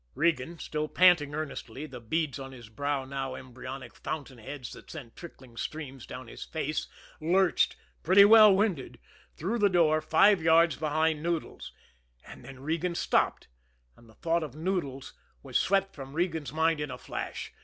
Regan, still panting earnestly, the beads on his brow now embryonic fountain heads that sent trickling streams down his face, lurched, pretty well winded, through the door five yards behind Noodles and then Regan stopped and the thought of Noodles was swept from Regan's mind in a flash.